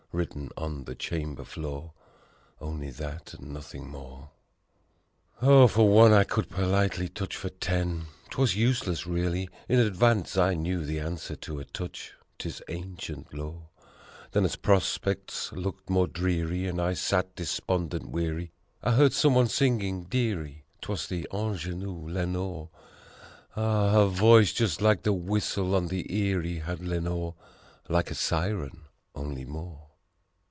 written on the chamber floor Only that and nothing more. Oh, for one I could politely touch for ten! 'Twas useless really, In advance I knew the answer to a touch 'Tis ancient lore. Then as prospects looked most dreary, and I sat despondent, weary, I heard someone singing "Dearie" 'Twas the ingenue, Lenore. Ah, a voice just like the whistle on the Erie, had Lenore : Like a siren, only more.